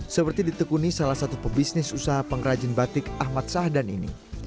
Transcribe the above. seperti ditekuni salah satu pebisnis usaha pengrajin batik ahmad sahdan ini